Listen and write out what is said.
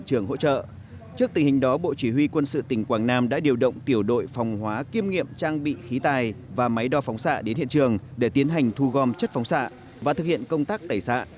trước tình hình đó bộ chỉ huy quân sự tỉnh quảng nam đã điều động tiểu đội phòng hóa kiêm nghiệm trang bị khí tài và máy đo phóng xạ đến hiện trường để tiến hành thu gom chất phóng xạ và thực hiện công tác tẩy xạ